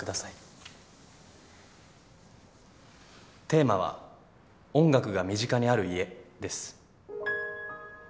テーマは音楽が身近にある家です。